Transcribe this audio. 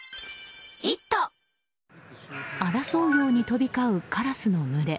争うように飛び交うカラスの群れ。